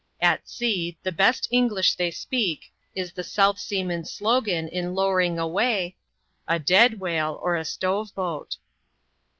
At sea, the best English they speak, is the South Seaman's slogan in lowering away, A dead whale, or a stove boat!"